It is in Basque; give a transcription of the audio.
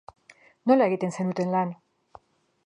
Nola egiten zenuten lan?